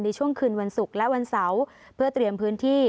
ในช่วงคืนวันศุกร์และวันเสาร์เพื่อเตรียมพื้นที่